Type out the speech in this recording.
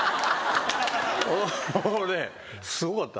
もうねすごかった。